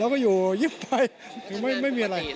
แล้วมาอยู่ยิ้มไปไม่มีอะไร